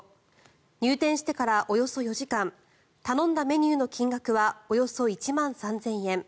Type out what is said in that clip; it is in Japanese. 入店してからおよそ４時間頼んだメニューの金額はおよそ１万３０００円。